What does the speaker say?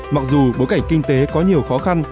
mặc dù bối cảnh kinh tế có nhiều khó khăn